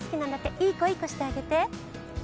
いい子いい子してあげて。